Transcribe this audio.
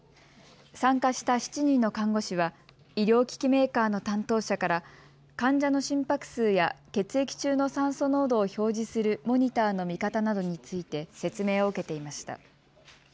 参加した７人の看護師は医療機器メーカーの担当者から患者の心拍数や血液中の酸素濃度を表示するモニターの見方などについて説明を受けていました。